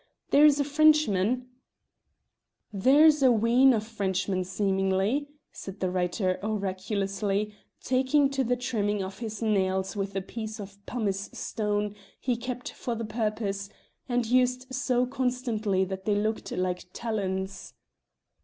There's a Frenchman " "There's a wheen of Frenchmen, seemingly," said the writer, oracularly, taking to the trimming of his nails with a piece of pumice stone he kept for the purpose, and used so constantly that they looked like talons.